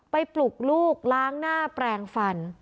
ปลุกลูกล้างหน้าแปลงฟัน